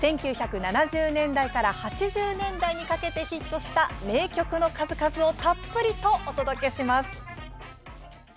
１９７０年代から８０年代にかけてヒットした名曲の数々をたっぷりとお届けします。